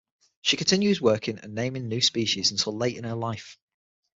She continued working and naming new species until late in her life.